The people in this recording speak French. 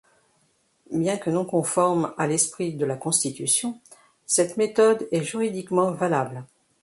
Bien que non conforme à l'esprit de la Constitution, cette méthode est juridiquement valable.